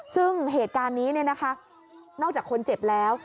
ซึ่งเหตุการณ์นี้เนี่ยนะคะนอกจากคนเจ็บแล้ว